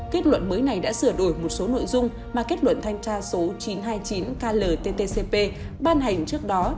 kết luận mới này đã sửa đổi một số nội dung mà kết luận thanh tra số chín trăm hai mươi chín klttcp ban hành trước đó